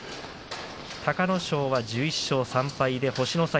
隆の勝は１１勝３敗で星の差